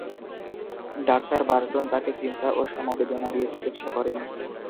Doctor Burton তাকে "চিন্তা ও সমবেদনা" দিয়ে চিকিৎসা করেন।